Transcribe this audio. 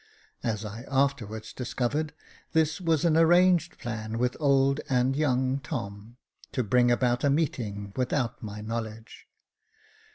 As I afterwards discovered, this was an arranged plan with old and young Tom, to bring about a meeting without my knowledge.